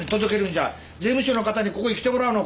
税務署の方にここへ来てもらうのか？